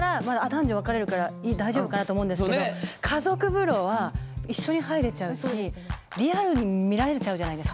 男女分かれるから大丈夫かなと思うんですけど家族風呂は一緒に入れちゃうしリアルに見られちゃうじゃないですか。